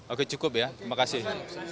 oke cukup ya terima kasih